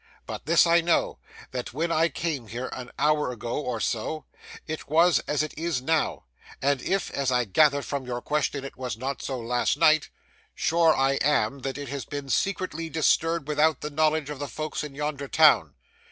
But this I know, that when I came here an hour ago or so, it was as it is now; and if, as I gather from your question, it was not so last night, sure I am that it has been secretly disturbed without the knowledge of the folks in yonder town.